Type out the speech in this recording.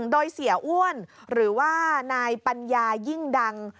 โดยเสียอ้วนหรือว่านายปัญญายิ่งดัง